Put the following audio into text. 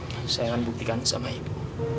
hai sayang buktikan sama ibu